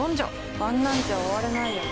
あんなんじゃ終われないよな